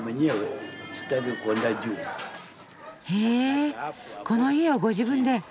へえこの家をご自分で。